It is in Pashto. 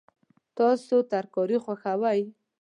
تاسو ترکاري خوښوئ؟